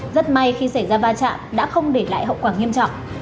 rất may khi xảy ra va chạm đã không để lại hậu quả nghiêm trọng